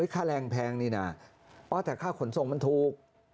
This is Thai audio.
ค่าแรงแพงนี่นะอ๋อแต่ค่าขนส่งมันถูก